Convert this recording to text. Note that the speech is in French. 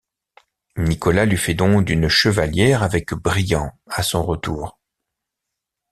Nicolas lui fait don d'une chevalière avec brillants à son retour.